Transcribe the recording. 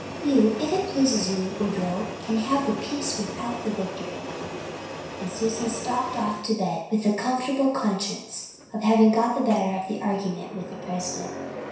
You, if it pleases you, Woodrow, can have the peace without the victory" and Susan stalked off to bed with the comfortable consciousness of having got the better of the argument with the President.